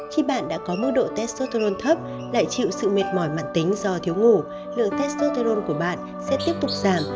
khi bạn đã có mức độ testosteron thấp lại chịu sự mệt mỏi mặn tính do thiếu ngủ lượng testosteron của bạn sẽ tiếp tục giảm